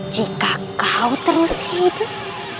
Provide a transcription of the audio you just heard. jika kau terus hidup